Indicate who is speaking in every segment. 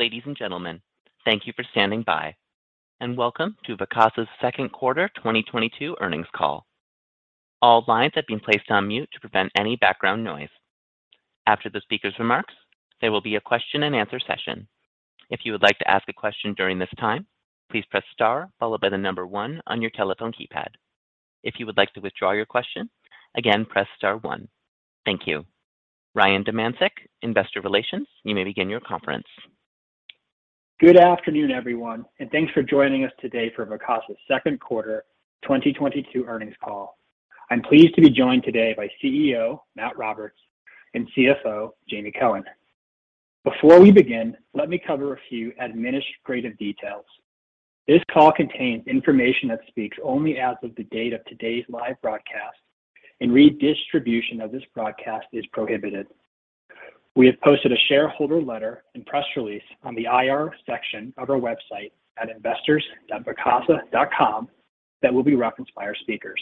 Speaker 1: Ladies and gentlemen, thank you for standing by, and welcome to Vacasa's second quarter 2022 earnings call. All lines have been placed on mute to prevent any background noise. After the speaker's remarks, there will be a question and answer session. If you would like to ask a question during this time, please press star followed by the number one on your telephone keypad. If you would like to withdraw your question, again, press star one. Thank you. Ryan Domyancic, Investor Relations, you may begin your conference.
Speaker 2: Good afternoon, everyone, and thanks for joining us today for Vacasa's second quarter 2022 earnings call. I'm pleased to be joined today by CEO Matt Roberts and CFO Jamie Cohen. Before we begin, let me cover a few administrative details. This call contains information that speaks only as of the date of today's live broadcast, and redistribution of this broadcast is prohibited. We have posted a shareholder letter and press release on the IR section of our website at investors.vacasa.com that will be referenced by our speakers.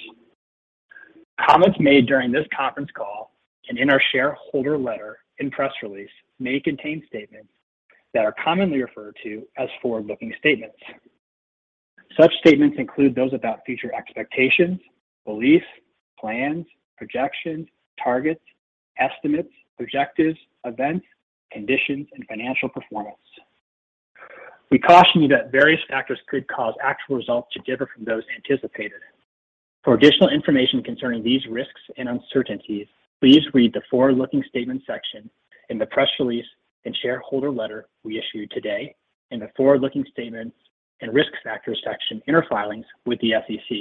Speaker 2: Comments made during this conference call and in our shareholder letter and press release may contain statements that are commonly referred to as forward-looking statements. Such statements include those about future expectations, beliefs, plans, projections, targets, estimates, objectives, events, conditions, and financial performance. We caution you that various factors could cause actual results to differ from those anticipated. For additional information concerning these risks and uncertainties, please read the forward-looking statements section in the press release and shareholder letter we issued today and the forward-looking statements and risk factors section in our filings with the SEC.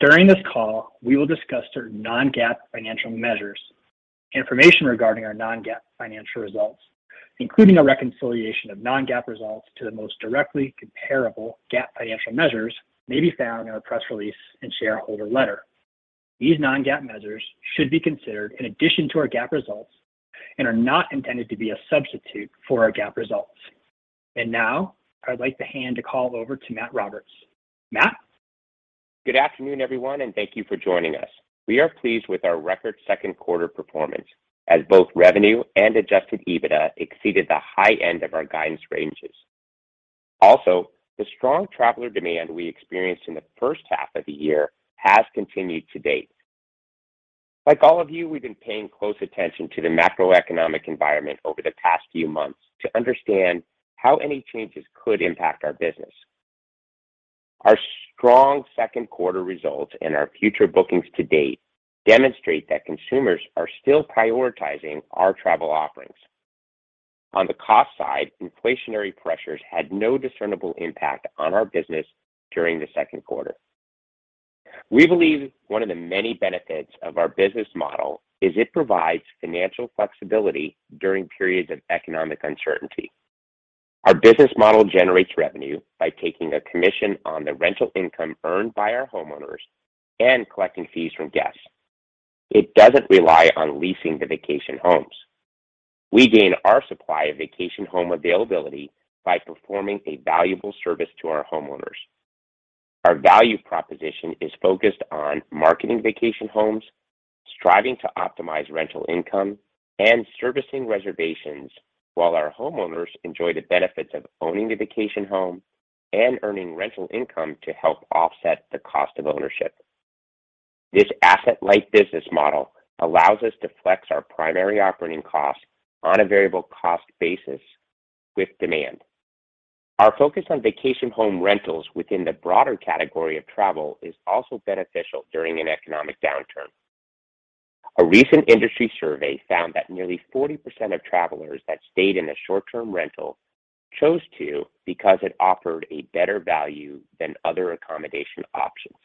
Speaker 2: During this call, we will discuss certain non-GAAP financial measures. Information regarding our non-GAAP financial results, including a reconciliation of non-GAAP results to the most directly comparable GAAP financial measures, may be found in our press release and shareholder letter. These non-GAAP measures should be considered in addition to our GAAP results and are not intended to be a substitute for our GAAP results. Now, I'd like to hand the call over to Matt Roberts. Matt?
Speaker 3: Good afternoon, everyone, and thank you for joining us. We are pleased with our record second quarter performance as both revenue and Adjusted EBITDA exceeded the high end of our guidance ranges. Also, the strong traveler demand we experienced in the first half of the year has continued to date. Like all of you, we've been paying close attention to the macroeconomic environment over the past few months to understand how any changes could impact our business. Our strong second quarter results and our future bookings to date demonstrate that consumers are still prioritizing our travel offerings. On the cost side, inflationary pressures had no discernible impact on our business during the second quarter. We believe one of the many benefits of our business model is it provides financial flexibility during periods of economic uncertainty. Our business model generates revenue by taking a commission on the rental income earned by our homeowners and collecting fees from guests. It doesn't rely on leasing the vacation homes. We gain our supply of vacation home availability by performing a valuable service to our homeowners. Our value proposition is focused on marketing vacation homes, striving to optimize rental income, and servicing reservations while our homeowners enjoy the benefits of owning the vacation home and earning rental income to help offset the cost of ownership. This asset-light business model allows us to flex our primary operating costs on a variable cost basis with demand. Our focus on vacation home rentals within the broader category of travel is also beneficial during an economic downturn. A recent industry survey found that nearly 40% of travelers that stayed in a short-term rental chose to because it offered a better value than other accommodation options.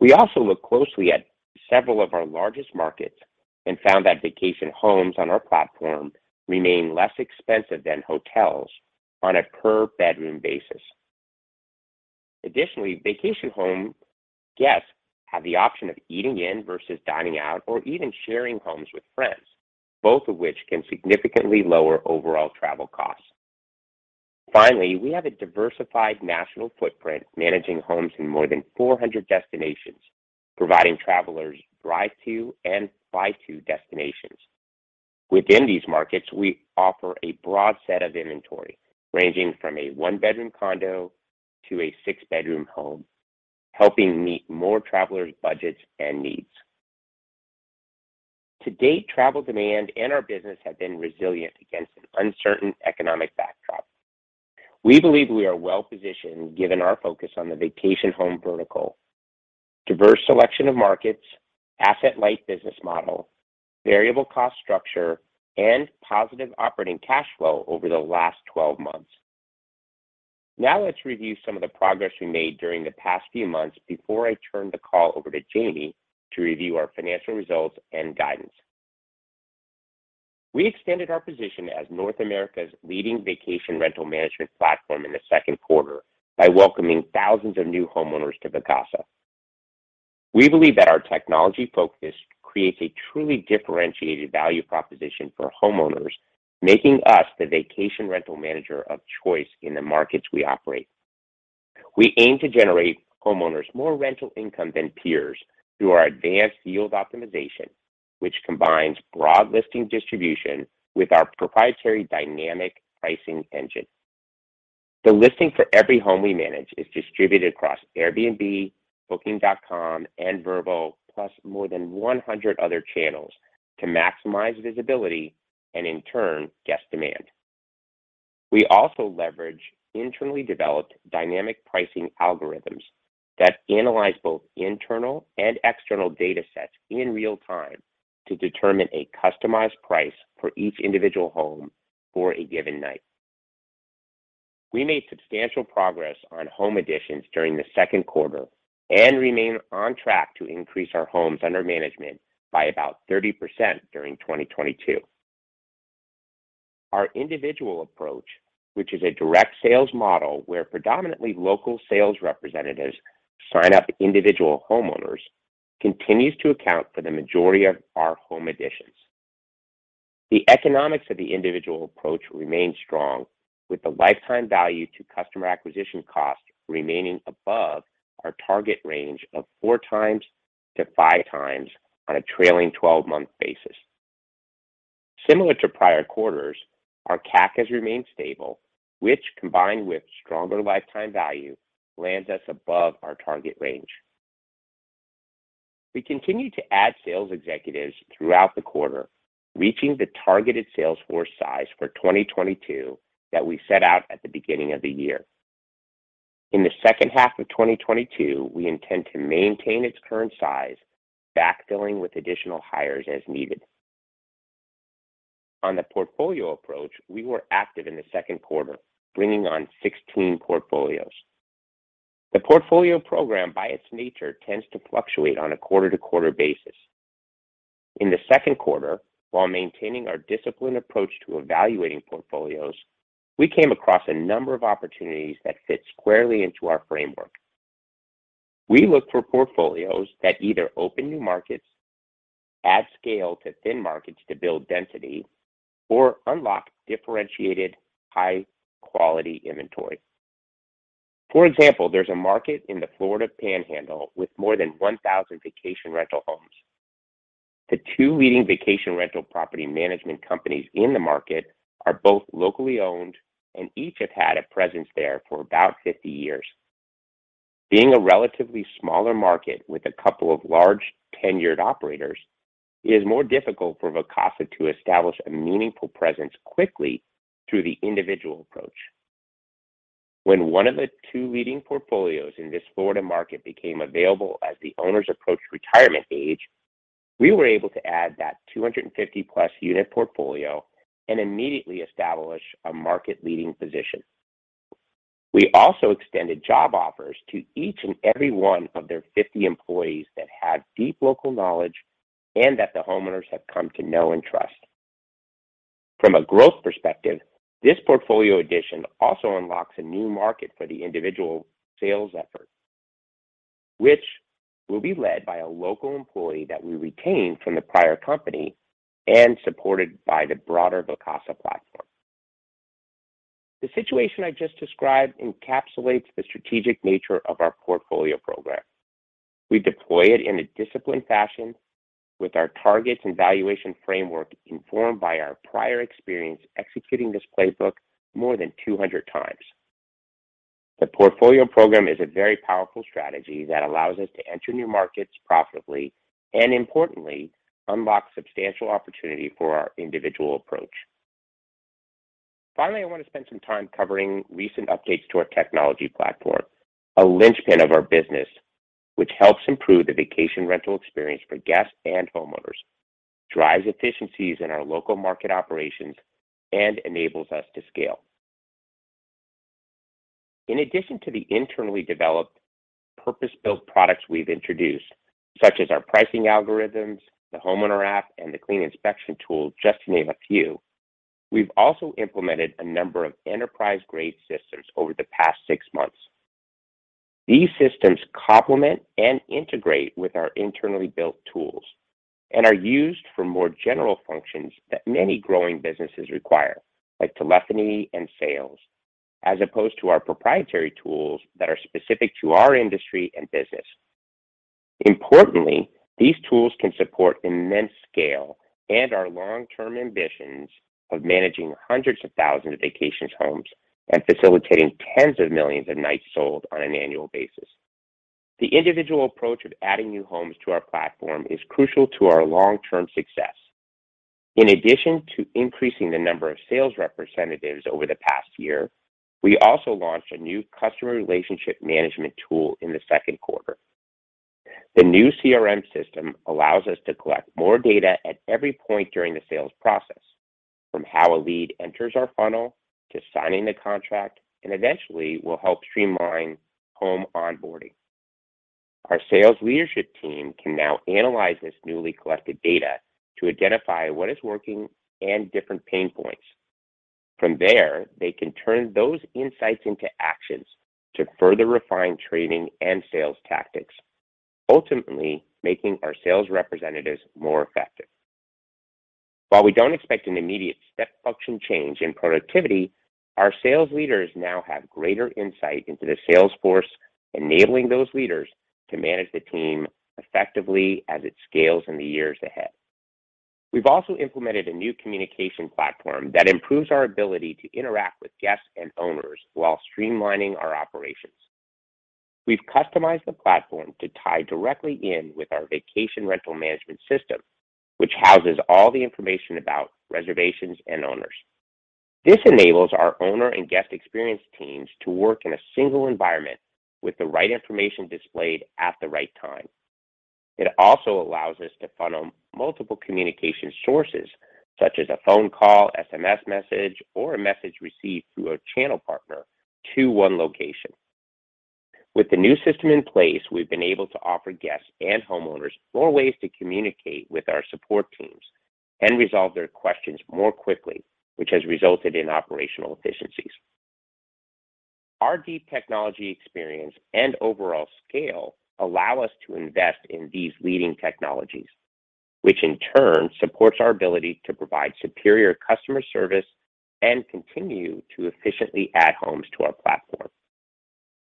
Speaker 3: We also look closely at several of our largest markets and found that vacation homes on our platform remain less expensive than hotels on a per-bedroom basis. Additionally, vacation home guests have the option of eating in versus dining out or even sharing homes with friends, both of which can significantly lower overall travel costs. Finally, we have a diversified national footprint managing homes in more than 400 destinations, providing travelers drive-to and fly-to destinations. Within these markets, we offer a broad set of inventory ranging from a one-bedroom condo to a six-bedroom home, helping meet more travelers' budgets and needs. To date, travel demand and our business have been resilient against an uncertain economic backdrop. We believe we are well-positioned given our focus on the vacation home vertical, diverse selection of markets, asset-light business model, variable cost structure, and positive operating cash flow over the last 12 months. Now let's review some of the progress we made during the past few months before I turn the call over to Jamie to review our financial results and guidance. We extended our position as North America's leading vacation rental management platform in the second quarter by welcoming thousands of new homeowners to Vacasa. We believe that our technology focus creates a truly differentiated value proposition for homeowners, making us the vacation rental manager of choice in the markets we operate. We aim to generate homeowners more rental income than peers through our advanced yield optimization, which combines broad listing distribution with our proprietary dynamic pricing engine. The listing for every home we manage is distributed across Airbnb, Booking.com, and Vrbo, plus more than 100 other channels to maximize visibility and in turn, guest demand. We also leverage internally developed dynamic pricing algorithms that analyze both internal and external data sets in real time to determine a customized price for each individual home for a given night. We made substantial progress on home additions during the second quarter and remain on track to increase our homes under management by about 30% during 2022. Our individual approach, which is a direct sales model where predominantly local sales representatives sign up individual homeowners, continues to account for the majority of our home additions. The economics of the individual approach remain strong, with the lifetime value to customer acquisition cost remaining above our target range of 4x-5x on a trailing 12-month basis. Similar to prior quarters, our CAC has remained stable, which, combined with stronger lifetime value, lands us above our target range. We continue to add sales executives throughout the quarter, reaching the targeted sales force size for 2022 that we set out at the beginning of the year. In the second half of 2022, we intend to maintain its current size, backfilling with additional hires as needed. On the portfolio approach, we were active in the second quarter, bringing on 16 portfolios. The portfolio program by its nature tends to fluctuate on a quarter-to-quarter basis. In the second quarter, while maintaining our disciplined approach to evaluating portfolios, we came across a number of opportunities that fit squarely into our framework. We look for portfolios that either open new markets, add scale to thin markets to build density, or unlock differentiated high quality inventory. For example, there's a market in the Florida Panhandle with more than 1,000 vacation rental homes. The two leading vacation rental property management companies in the market are both locally owned, and each have had a presence there for about 50 years. Being a relatively smaller market with a couple of large tenured operators, it is more difficult for Vacasa to establish a meaningful presence quickly through the individual approach. When one of the two leading portfolios in this Florida market became available as the owners approached retirement age, we were able to add that 250+ unit portfolio and immediately establish a market-leading position. We also extended job offers to each and every one of their 50 employees that had deep local knowledge and that the homeowners have come to know and trust. From a growth perspective, this portfolio addition also unlocks a new market for the individual sales effort, which will be led by a local employee that we retained from the prior company and supported by the broader Vacasa platform. The situation I just described encapsulates the strategic nature of our portfolio program. We deploy it in a disciplined fashion with our targets and valuation framework informed by our prior experience executing this playbook more than 200 times. The portfolio program is a very powerful strategy that allows us to enter new markets profitably and importantly, unlock substantial opportunity for our individual approach. Finally, I want to spend some time covering recent updates to our technology platform, a linchpin of our business, which helps improve the vacation rental experience for guests and homeowners, drives efficiencies in our local market operations, and enables us to scale. In addition to the internally developed purpose-built products we've introduced, such as our pricing algorithms, the homeowner app, and the clean inspection tool, just to name a few, we've also implemented a number of enterprise-grade systems over the past six months. These systems complement and integrate with our internally built tools and are used for more general functions that many growing businesses require, like telephony and sales, as opposed to our proprietary tools that are specific to our industry and business. Importantly, these tools can support immense scale and our long-term ambitions of managing hundreds of thousands of vacation homes and facilitating tens of millions of nights sold on an annual basis. The individual approach of adding new homes to our platform is crucial to our long-term success. In addition to increasing the number of sales representatives over the past year, we also launched a new customer relationship management tool in the second quarter. The new CRM system allows us to collect more data at every point during the sales process, from how a lead enters our funnel to signing the contract, and eventually will help streamline home onboarding. Our sales leadership team can now analyze this newly collected data to identify what is working and different pain points. From there, they can turn those insights into actions to further refine training and sales tactics, ultimately making our sales representatives more effective. While we don't expect an immediate step function change in productivity, our sales leaders now have greater insight into the sales force, enabling those leaders to manage the team effectively as it scales in the years ahead. We've also implemented a new communication platform that improves our ability to interact with guests and owners while streamlining our operations. We've customized the platform to tie directly in with our vacation rental management system, which houses all the information about reservations and owners. This enables our owner and guest experience teams to work in a single environment with the right information displayed at the right time. It also allows us to funnel multiple communication sources, such as a phone call, SMS message, or a message received through a channel partner to one location. With the new system in place, we've been able to offer guests and homeowners more ways to communicate with our support teams and resolve their questions more quickly, which has resulted in operational efficiencies. Our deep technology experience and overall scale allow us to invest in these leading technologies, which in turn supports our ability to provide superior customer service and continue to efficiently add homes to our platform.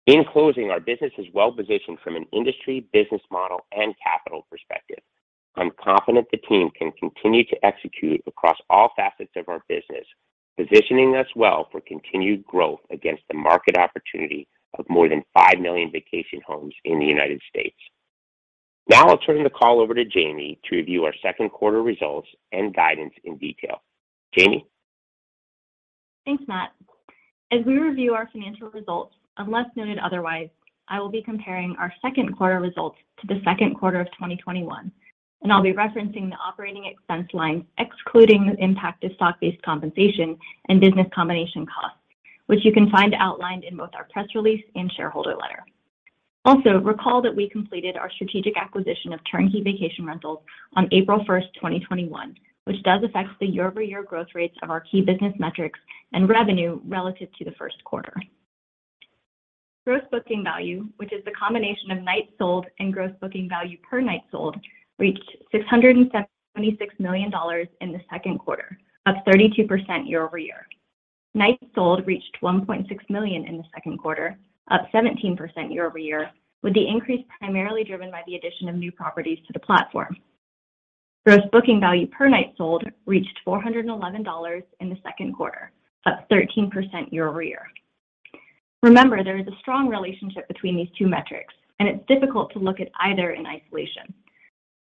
Speaker 3: In closing, our business is well-positioned from an industry, business model, and capital perspective. I'm confident the team can continue to execute across all facets of our business, positioning us well for continued growth against the market opportunity of more than $5 million vacation homes in the United States. Now I'll turn the call over to Jamie to review our second quarter results and guidance in detail. Jamie?
Speaker 4: Thanks, Matt. As we review our financial results, unless noted otherwise, I will be comparing our second quarter results to the second quarter of 2021, and I'll be referencing the operating expense line, excluding the impact of stock-based compensation and business combination costs, which you can find outlined in both our press release and shareholder letter. Recall that we completed our strategic acquisition of TurnKey Vacation Rentals on April 1, 2021, which does affect the year-over-year growth rates of our key business metrics and revenue relative to the first quarter. Gross booking value, which is the combination of nights sold and gross booking value per night sold, reached $676 million in the second quarter, up 32% year-over-year. Nights Sold reached $1.6 million in the second quarter, up 17% year-over-year, with the increase primarily driven by the addition of new properties to the platform. Gross Booking Value per Night Sold reached $411 in the second quarter, up 13% year-over-year. Remember, there is a strong relationship between these two metrics, and it's difficult to look at either in isolation.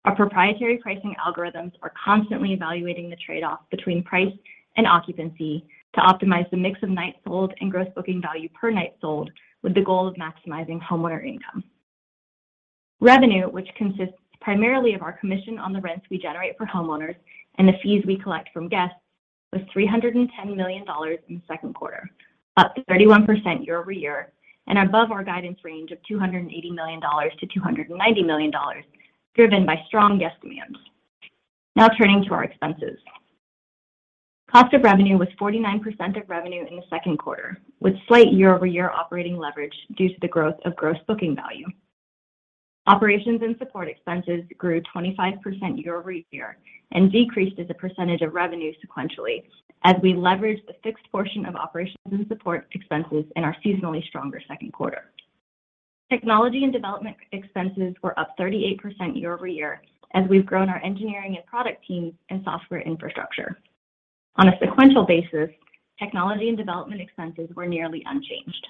Speaker 4: Our proprietary pricing algorithms are constantly evaluating the trade-off between price and occupancy to optimize the mix of Nights Sold and Gross Booking Value per Night Sold with the goal of maximizing homeowner income. Revenue, which consists primarily of our commission on the rents we generate for homeowners and the fees we collect from guests, was $310 million in the second quarter, up 31% year-over-year and above our guidance range of $280 million-$290 million, driven by strong guest demands. Now turning to our expenses. Cost of revenue was 49% of revenue in the second quarter, with slight year-over-year operating leverage due to the growth of gross booking value. Operations and support expenses grew 25% year-over-year and decreased as a percentage of revenue sequentially as we leveraged the fixed portion of operations and support expenses in our seasonally stronger second quarter. Technology and development expenses were up 38% year-over-year as we've grown our engineering and product teams and software infrastructure. On a sequential basis, technology and development expenses were nearly unchanged.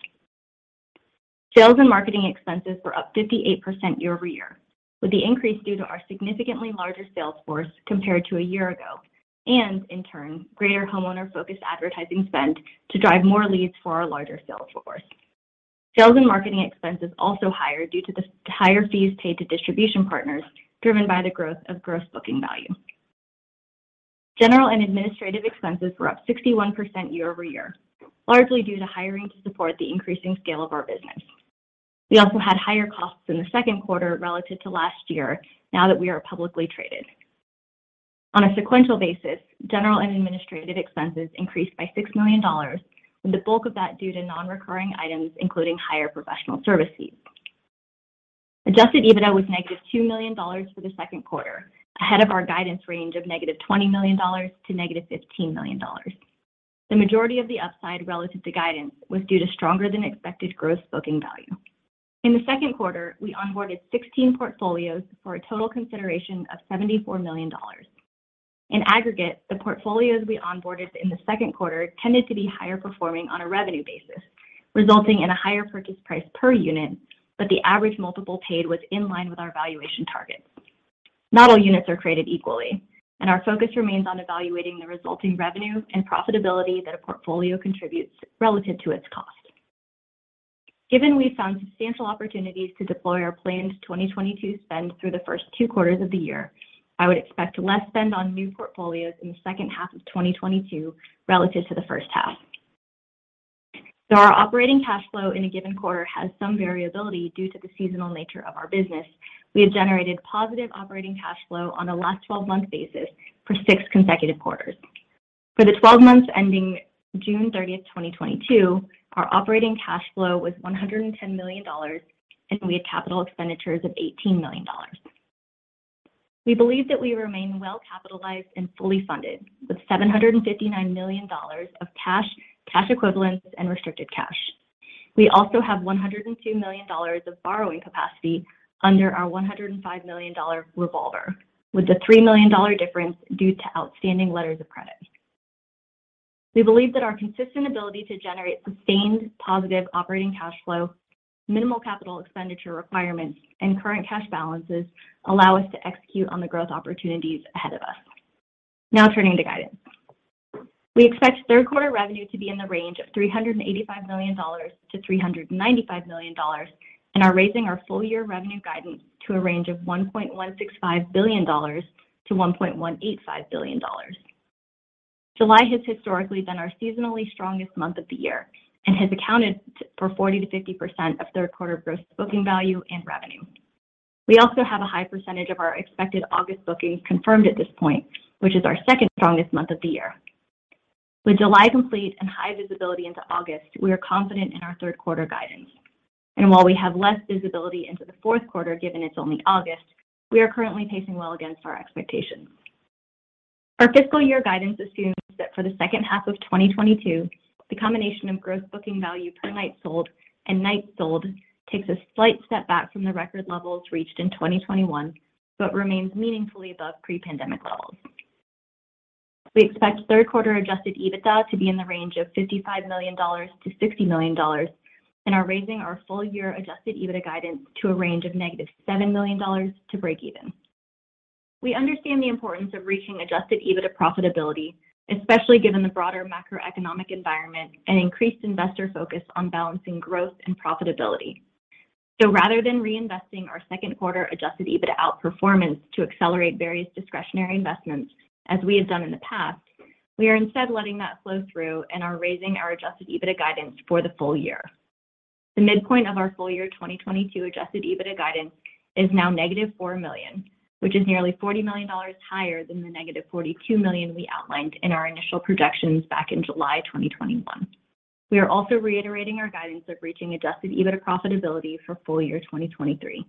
Speaker 4: Sales and marketing expenses were up 58% year-over-year, with the increase due to our significantly larger sales force compared to a year ago, and in turn, greater homeowner-focused advertising spend to drive more leads for our larger sales force. Sales and marketing expenses also higher due to the higher fees paid to distribution partners, driven by the growth of gross booking value. General and administrative expenses were up 61% year-over-year, largely due to hiring to support the increasing scale of our business. We also had higher costs in the second quarter relative to last year now that we are publicly traded. On a sequential basis, general and administrative expenses increased by $6 million, with the bulk of that due to non-recurring items, including higher professional services. Adjusted EBITDA was -$2 million for the second quarter, ahead of our guidance range of -$20 million-$15 million. The majority of the upside relative to guidance was due to stronger-than-expected gross booking value. In the second quarter, we onboarded 16 portfolios for a total consideration of $74 million. In aggregate, the portfolios we onboarded in the second quarter tended to be higher performing on a revenue basis, resulting in a higher purchase price per unit, but the average multiple paid was in line with our valuation targets. Not all units are created equally, and our focus remains on evaluating the resulting revenue and profitability that a portfolio contributes relative to its cost. Given we found substantial opportunities to deploy our planned 2022 spend through the first two quarters of the year, I would expect less spend on new portfolios in the second half of 2022 relative to the first half. Though our operating cash flow in a given quarter has some variability due to the seasonal nature of our business, we have generated positive operating cash flow on a last 12-month basis for six consecutive quarters. For the 12 months ending June 30, 2022, our operating cash flow was $110 million, and we had capital expenditures of $18 million. We believe that we remain well capitalized and fully funded with $759 million of cash equivalents, and restricted cash. We also have $102 million of borrowing capacity under our $105 million revolver, with the $3 million difference due to outstanding letters of credit. We believe that our consistent ability to generate sustained positive operating cash flow, minimal capital expenditure requirements, and current cash balances allow us to execute on the growth opportunities ahead of us. Now turning to guidance. We expect third quarter revenue to be in the range of $385 million-$395 million and are raising our full year revenue guidance to a range of $1.165 billion-$1.185 billion. July has historically been our seasonally strongest month of the year and has accounted for 40%-50% of third quarter gross booking value and revenue. We also have a high percentage of our expected August bookings confirmed at this point, which is our second strongest month of the year. With July complete and high visibility into August, we are confident in our third quarter guidance. While we have less visibility into the fourth quarter, given it's only August, we are currently pacing well against our expectations. Our fiscal year guidance assumes that for the second half of 2022, the combination of gross booking value per night sold and nights sold takes a slight step back from the record levels reached in 2021, but remains meaningfully above pre-pandemic levels. We expect third quarter Adjusted EBITDA to be in the range of $55 million-$60 million, and are raising our full year Adjusted EBITDA guidance to a range of -$7 million to break even. We understand the importance of reaching adjusted EBITDA profitability, especially given the broader macroeconomic environment and increased investor focus on balancing growth and profitability. Rather than reinvesting our second quarter adjusted EBITDA outperformance to accelerate various discretionary investments as we have done in the past, we are instead letting that flow through and are raising our adjusted EBITDA guidance for the full year. The midpoint of our full year 2022 adjusted EBITDA guidance is now negative $4 million, which is nearly $40 million higher than the negative $42 million we outlined in our initial projections back in July 2021. We are also reiterating our guidance of reaching adjusted EBITDA profitability for full year 2023.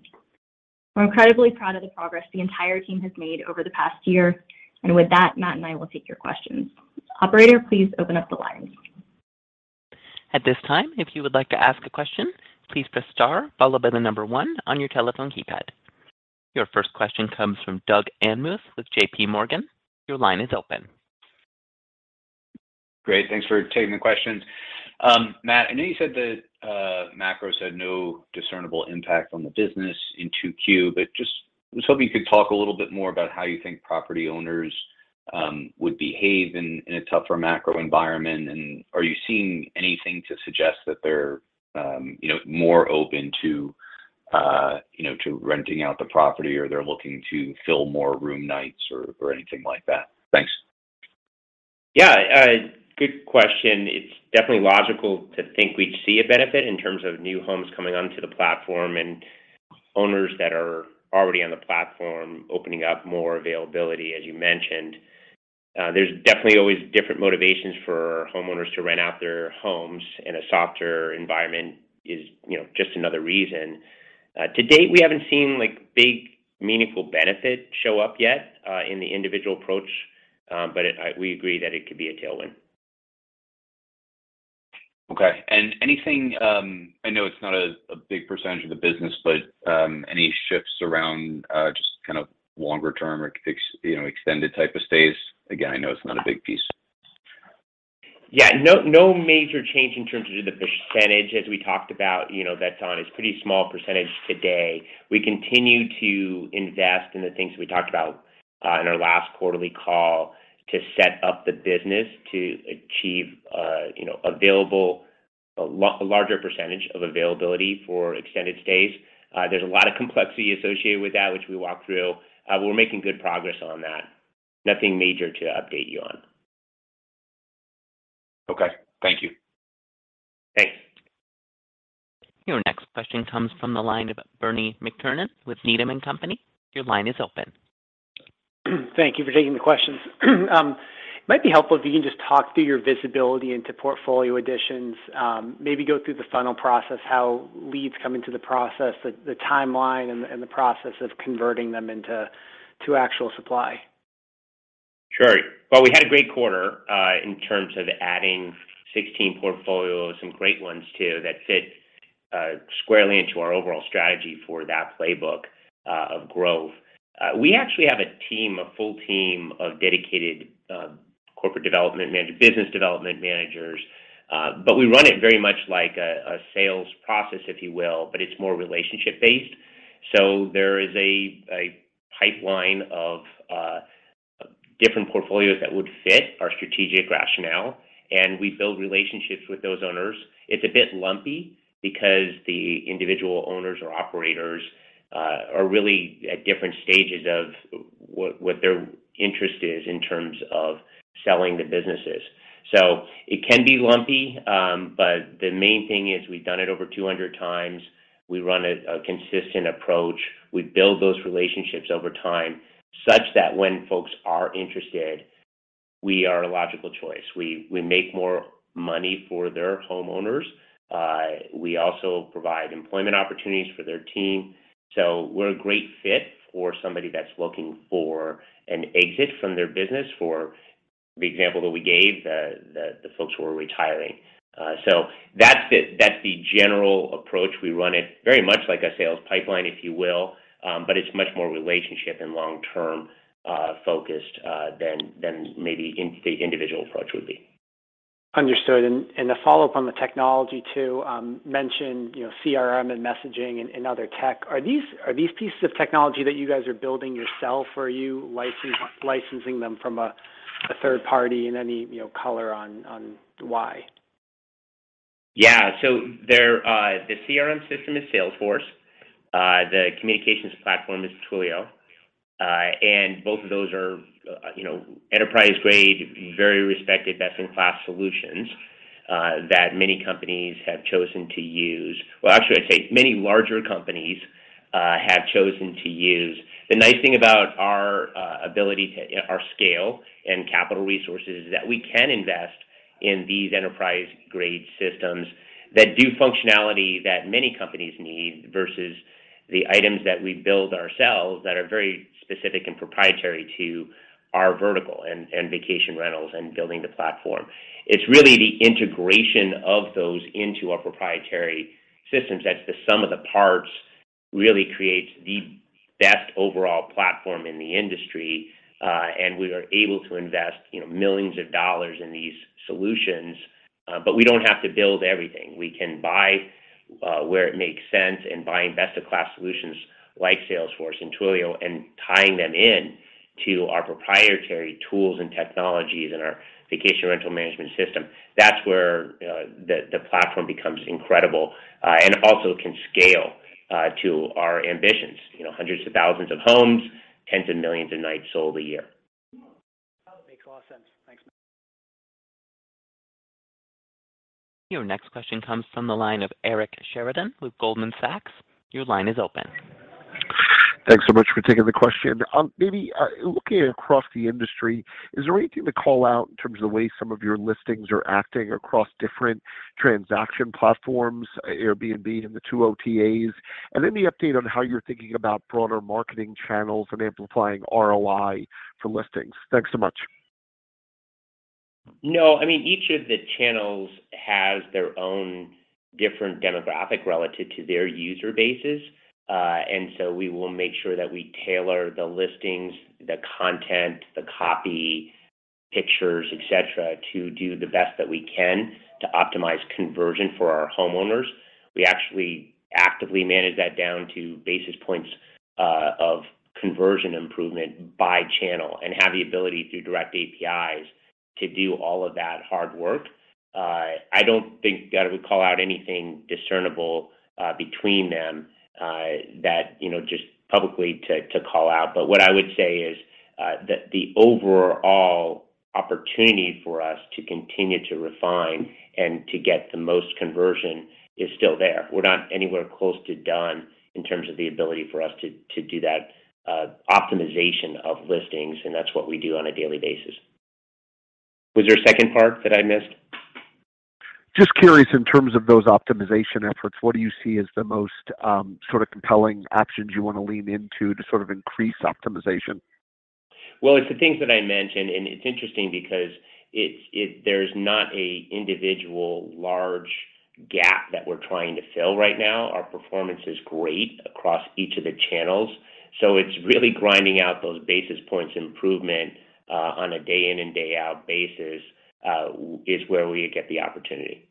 Speaker 4: We're incredibly proud of the progress the entire team has made over the past year. With that, Matt and I will take your questions. Operator, please open up the lines.
Speaker 1: At this time, if you would like to ask a question, please press star followed by the number one on your telephone keypad. Your first question comes from Doug Anmuth with JPMorgan. Your line is open.
Speaker 5: Great. Thanks for taking the questions. Matt, I know you said that macro has had no discernible impact on the business in 2Q, but just was hoping you could talk a little bit more about how you think property owners would behave in a tougher macro environment. Are you seeing anything to suggest that they're you know, more open to you know, to renting out the property or they're looking to fill more room nights or anything like that? Thanks.
Speaker 3: Yeah. Good question. It's definitely logical to think we'd see a benefit in terms of new homes coming onto the platform and owners that are already on the platform opening up more availability, as you mentioned. There's definitely always different motivations for homeowners to rent out their homes, and a softer environment is, you know, just another reason. To date, we haven't seen, like, big meaningful benefit show up yet in the individual approach. We agree that it could be a tailwind.
Speaker 5: Okay. Anything, I know it's not a big percentage of the business, but any shifts around just kind of longer term or you know, extended type of stays? Again, I know it's not a big piece.
Speaker 3: Yeah. No major change in terms of the percentage as we talked about. You know, that's on a pretty small percentage today. We continue to invest in the things we talked about in our last quarterly call to set up the business to achieve, you know, a larger percentage of availability for extended stays. There's a lot of complexity associated with that, which we walked through. We're making good progress on that. Nothing major to update you on.
Speaker 5: Okay. Thank you.
Speaker 3: Thanks.
Speaker 1: Your next question comes from the line of Bernie McTernan with Needham & Company. Your line is open.
Speaker 6: Thank you for taking the questions. It might be helpful if you can just talk through your visibility into portfolio additions. Maybe go through the funnel process, how leads come into the process, the timeline and the process of converting them into actual supply.
Speaker 3: Sure. Well, we had a great quarter, in terms of adding 16 portfolios, some great ones too, that fit squarely into our overall strategy for that playbook of growth. We actually have a team, a full team of dedicated business development managers, but we run it very much like a sales process, if you will, but it's more relationship based. There is a pipeline of different portfolios that would fit our strategic rationale, and we build relationships with those owners. It's a bit lumpy because the individual owners or operators are really at different stages of what their interest is in terms of selling the businesses. It can be lumpy, but the main thing is we've done it over 200 times. We run a consistent approach. We build those relationships over time such that when folks are interested, we are a logical choice. We make more money for their homeowners. We also provide employment opportunities for their team. We're a great fit for somebody that's looking for an exit from their business for the example that we gave, the folks who are retiring. That's the general approach. We run it very much like a sales pipeline, if you will, but it's much more relationship and long-term focused than maybe the individual approach would be.
Speaker 6: Understood. To follow up on the technology too, mentioned, you know, CRM and messaging and other tech. Are these pieces of technology that you guys are building yourself, or are you licensing them from 1/3 party? Any, you know, color on why?
Speaker 3: Yeah. They're the CRM system is Salesforce. The communications platform is Twilio. And both of those are, you know, enterprise-grade, very respected best-in-class solutions that many companies have chosen to use. Well, actually I'd say many larger companies have chosen to use. The nice thing about our scale and capital resources is that we can invest in these enterprise-grade systems that do functionality that many companies need, versus the items that we build ourselves that are very specific and proprietary to our vertical and vacation rentals and building the platform. It's really the integration of those into our proprietary systems that the sum of the parts really creates the best overall platform in the industry. And we are able to invest, you know, millions of dollars in these solutions. But we don't have to build everything. We can buy where it makes sense, and buying best-of-class solutions like Salesforce and Twilio and tying them in to our proprietary tools and technologies and our vacation rental management system. That's where the platform becomes incredible and also can scale to our ambitions. You know, hundreds of thousands of homes, tens of millions of nights sold a year.
Speaker 6: That makes a lot of sense. Thanks.
Speaker 1: Your next question comes from the line of Eric Sheridan with Goldman Sachs. Your line is open.
Speaker 7: Thanks so much for taking the question. Maybe looking across the industry, is there anything to call out in terms of the way some of your listings are acting across different transaction platforms, Airbnb and the two OTAs? Any update on how you're thinking about broader marketing channels and amplifying ROI for listings. Thanks so much.
Speaker 3: No. I mean, each of the channels has their own different demographic relative to their user bases. We will make sure that we tailor the listings, the content, the copy, pictures, et cetera, To do the best that we can to optimize conversion for our homeowners. We actually actively manage that down to basis points of conversion improvement by channel and have the ability through direct APIs to do all of that hard work. I don't think that I would call out anything discernible between them that you know just publicly to call out. What I would say is the overall opportunity for us to continue to refine and to get the most conversion is still there. We're not anywhere close to done in terms of the ability for us to do that optimization of listings, and that's what we do on a daily basis. Was there a second part that I missed?
Speaker 7: Just curious in terms of those optimization efforts, what do you see as the most sort of compelling actions you wanna lean into to sort of increase optimization?
Speaker 3: Well, it's the things that I mentioned, and it's interesting because there's not an individual large gap that we're trying to fill right now. Our performance is great across each of the channels, so it's really grinding out those basis points improvement on a day in and day out basis is where we get the opportunity.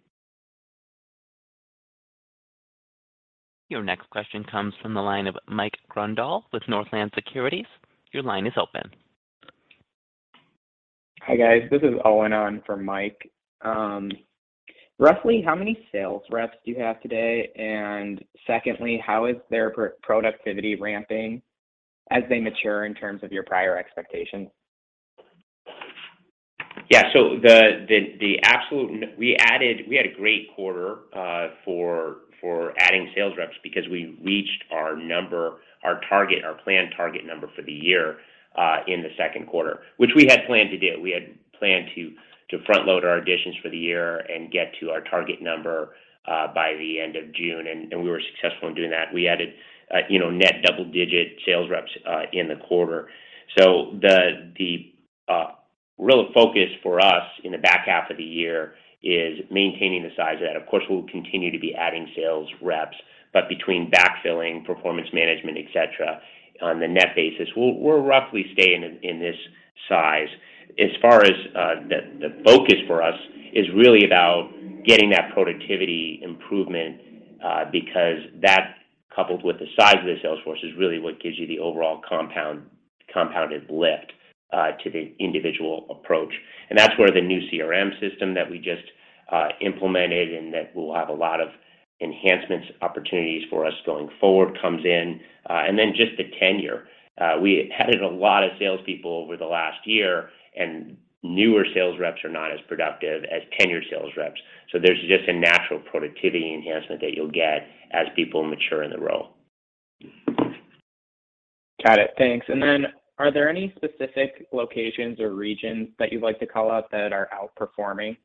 Speaker 1: Your next question comes from the line of Mike Grondahl with Northland Securities. Your line is open.
Speaker 8: Hi, guys. This is Owen on for Mike. Roughly how many sales reps do you have today? Secondly, how is their productivity ramping as they mature in terms of your prior expectations?
Speaker 3: We had a great quarter for adding sales reps because we reached our number, our target, our planned target number for the year in the second quarter, which we had planned to do. We had planned to front load our additions for the year and get to our target number by the end of June, and we were successful in doing that. We added, you know, net double-digit sales reps in the quarter. The real focus for us in the back half of the year is maintaining the size of that. Of course, we'll continue to be adding sales reps, but between backfilling, performance management, et cetera, on the net basis, we'll roughly stay in this size. As far as the focus for us is really about getting that productivity improvement, because that coupled with the size of the sales force is really what gives you the overall compounded lift to the individual approach. That's where the new CRM system that we just implemented and that will have a lot of enhancements, opportunities for us going forward comes in. Just the tenure. We added a lot of salespeople over the last year, and newer sales reps are not as productive as tenured sales reps. There's just a natural productivity enhancement that you'll get as people mature in the role.
Speaker 8: Got it. Thanks. Are there any specific locations or regions that you'd like to call out that are outperforming?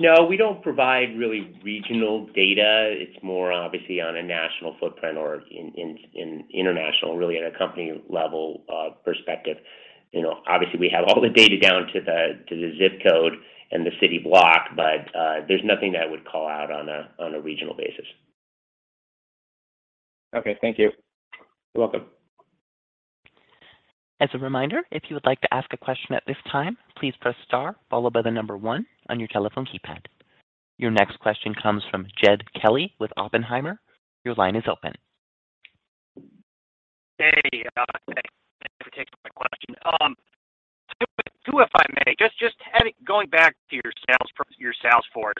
Speaker 3: No, we don't provide really regional data. It's more obviously on a national footprint or in international, really at a company level perspective. You know, obviously, we have all the data down to the ZIP code and the city block, but there's nothing that I would call out on a regional basis.
Speaker 8: Okay, thank you.
Speaker 3: You're welcome.
Speaker 1: As a reminder, if you would like to ask a question at this time, please press star followed by the number one on your telephone keypad. Your next question comes from Jed Kelly with Oppenheimer. Your line is open.
Speaker 9: Hey, thanks for taking my question. Two, if I may. Going back to your sales force.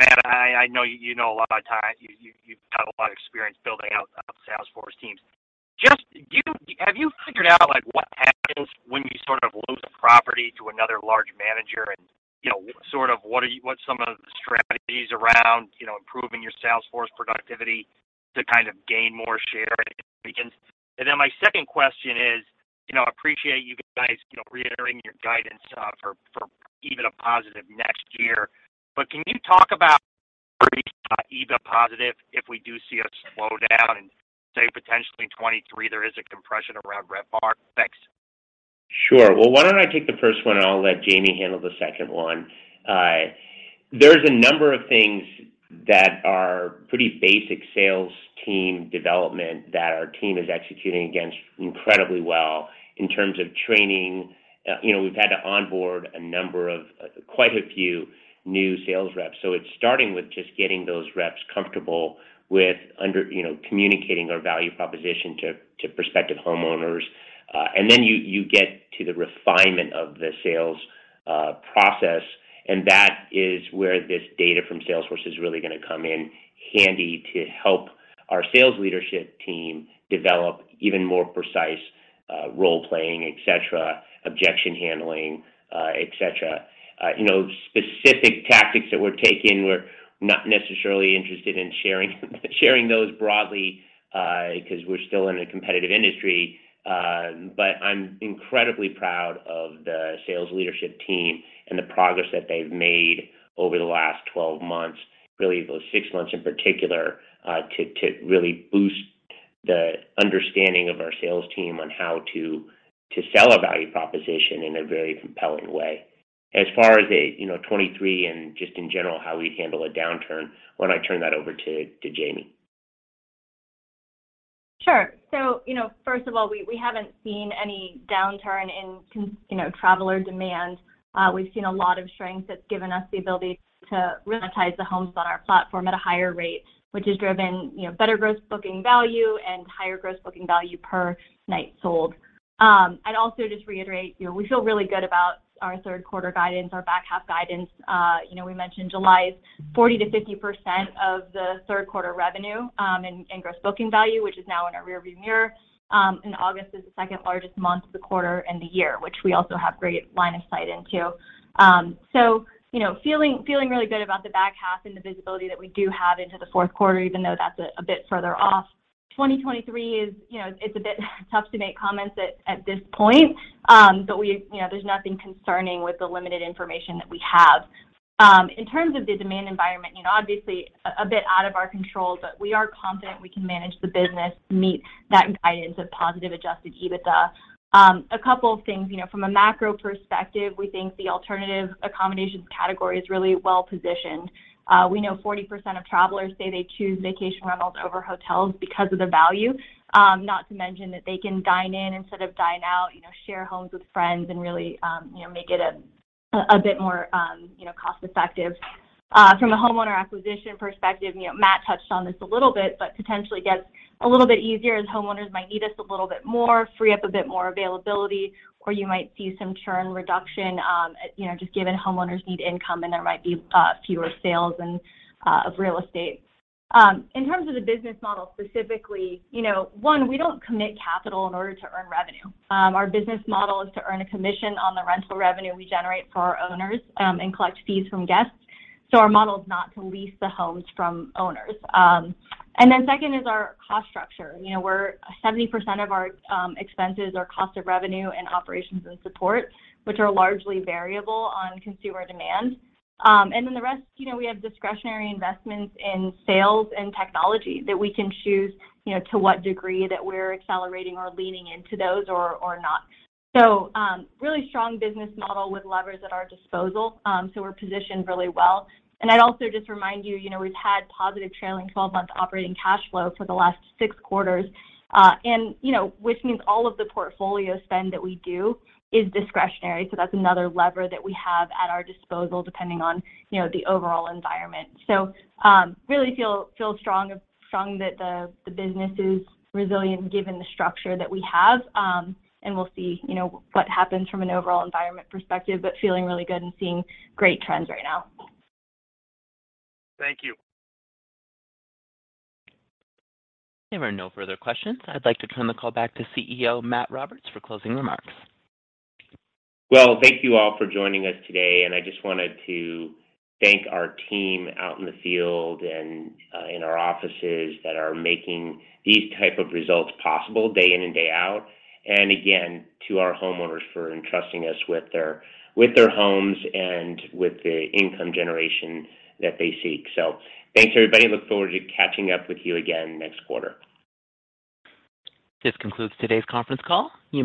Speaker 9: Matt, I know you know a lot about it. You've got a lot of experience building out sales force teams. Have you figured out, like, what happens when you sort of lose a property to another large manager? You know, sort of what are the strategies around, you know, improving your sales force productivity to kind of gain more share in the regions? My second question is, you know, appreciate you guys, you know, reiterating your guidance for EBITDA positive next year. Can you talk about reaching EBITDA positive if we do see a slowdown and say, potentially in 2023, there is a compression around RevPAR effects?
Speaker 3: Sure. Well, why don't I take the first one, and I'll let Jamie handle the second one. There's a number of things that are pretty basic sales team development that our team is executing against incredibly well in terms of training. You know, we've had to onboard a number of, quite a few new sales reps. It's starting with just getting those reps comfortable with, you know, communicating our value proposition to prospective homeowners. You get to the refinement of the sales process, and that is where this data from Salesforce is really gonna come in handy to help our sales leadership team develop even more precise, role-playing, et cetera, objection handling, et cetera. You know, specific tactics that we're taking, we're not necessarily interested in sharing those broadly, 'cause we're still in a competitive industry. I'm incredibly proud of the sales leadership team and the progress that they've made over the last 12 months, really those six months in particular, to really boost the understanding of our sales team on how to sell a value proposition in a very compelling way. As far as 2023 and just in general, how we'd handle a downturn, why don't I turn that over to Jamie?
Speaker 4: Sure. You know, first of all, we haven't seen any downturn in traveler demand. We've seen a lot of strength that's given us the ability to monetize the homes on our platform at a higher rate, which has driven better Gross Booking Value and higher Gross Booking Value per Night Sold. I'd also just reiterate, you know, we feel really good about our third quarter guidance, our back half guidance. You know, we mentioned July is 40%-50% of the third quarter revenue in Gross Booking Value, which is now in our rearview mirror. August is the second-largest month of the quarter and the year, which we also have great line of sight into. Feeling really good about the back half and the visibility that we do have into the fourth quarter, even though that's a bit further off. 2023 is, you know, it's a bit tough to make comments at this point. There's nothing concerning with the limited information that we have. In terms of the demand environment, you know, obviously a bit out of our control, but we are confident we can manage the business to meet that guidance of positive Adjusted EBITDA. A couple of things. You know, from a macro perspective, we think the alternative accommodations category is really well-positioned. We know 40% of travelers say they choose vacation rentals over hotels because of the value, not to mention that they can dine in instead of dine out, you know, share homes with friends and really, you know, make it a bit more, you know, cost-effective. From a homeowner acquisition perspective, you know, Matt touched on this a little bit, but potentially gets a little bit easier as homeowners might need us a little bit more, free up a bit more availability, or you might see some churn reduction, you know, just given homeowners need income, and there might be fewer sales and of real estate. In terms of the business model specifically, you know, one, we don't commit capital in order to earn revenue. Our business model is to earn a commission on the rental revenue we generate for our owners, and collect fees from guests. Our model is not to lease the homes from owners. Second is our cost structure. You know, we're 70% of our expenses are cost of revenue and operations and support, which are largely variable on consumer demand. The rest, you know, we have discretionary investments in sales and technology that we can choose, you know, to what degree that we're accelerating or leaning into those or not. Really strong business model with levers at our disposal, so we're positioned really well. I'd also just remind you know, we've had positive trailing 12-month operating cash flow for the last 6 quarters. You know, which means all of the portfolio spend that we do is discretionary, so that's another lever that we have at our disposal, depending on, you know, the overall environment. Really feel strong that the business is resilient given the structure that we have. We'll see, you know, what happens from an overall environment perspective, but feeling really good and seeing great trends right now.
Speaker 9: Thank you.
Speaker 1: There are no further questions. I'd like to turn the call back to CEO Matt Roberts for closing remarks.
Speaker 3: Well, thank you all for joining us today, and I just wanted to thank our team out in the field and in our offices that are making these type of results possible day in and day out, and again, to our homeowners for entrusting us with their homes and with the income generation that they seek. Thanks, everybody, and look forward to catching up with you again next quarter.
Speaker 1: This concludes today's conference call. You may disconnect.